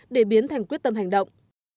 để biến thành quyết tâm hành động